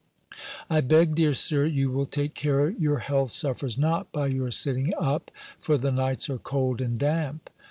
"I beg, dear Sir, you will take care your health suffers not by your sitting up; for the nights are cold and damp.